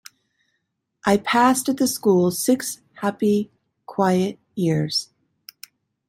I passed at the school six happy, quiet years.